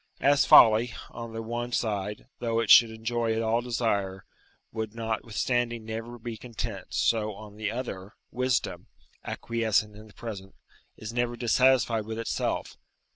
As folly, on the one side, though it should enjoy all it desire, would notwithstanding never be content, so, on the other, wisdom, acquiescing in the present, is never dissatisfied with itself.